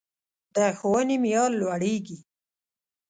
د ښوونې معیار لوړیږي